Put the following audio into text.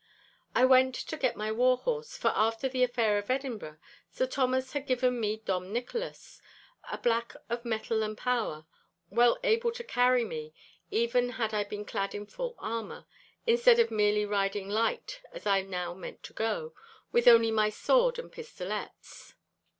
I went to get my war horse, for after the affair of Edinburgh, Sir Thomas had given me 'Dom Nicholas,' a black of mettle and power, well able to carry me even had I been clad in full armour, instead of merely riding light as I now meant to go, with only my sword and pistolets.